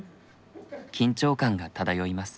緊張感が漂います。